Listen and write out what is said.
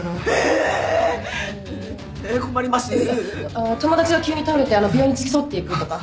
あ友達が急に倒れて病院に付き添っていくとか。